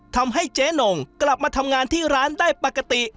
ทำให้เจ๊นงกลับมาทำงานที่ร้านได้ปกติ